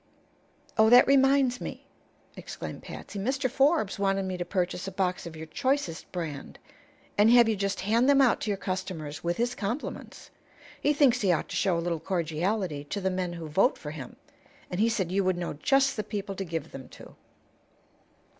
"Oh, that reminds me!" exclaimed Patsy. "Mr. Forbes wanted me to purchase a box of your choicest brand, and have you just hand them out to your customers with his compliments. He thinks he ought to show a little cordiality to the men who vote for him, and he said you would know just the people to give them to."